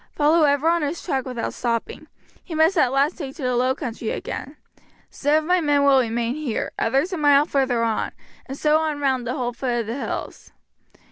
Follow ever on his track without stopping; he must at last take to the low country again. Some of my men shall remain here, others a mile further on, and so on round the whole foot of the hills.